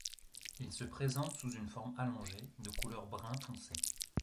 Il se présente sous une forme allongée, de couleur brun foncé.